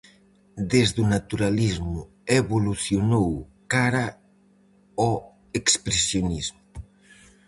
Desde o Naturalismo evolucionou cara ao Expresionismo.